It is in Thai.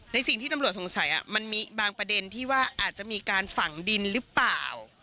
สิ่งที่ตำรวจสงสัยมันมีบางประเด็นที่ว่าอาจจะมีการฝังดินหรือเปล่า